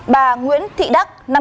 bà nguyễn thị đắc